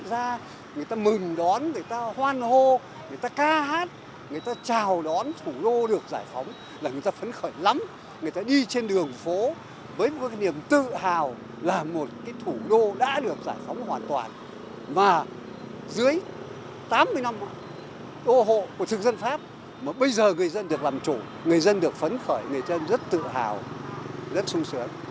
và dưới tám mươi năm đô hộ của thực dân pháp bây giờ người dân được làm chủ người dân được phấn khởi người dân rất tự hào rất sung sướng